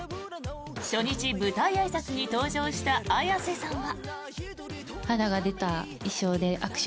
初日舞台あいさつに登場した綾瀬さんは。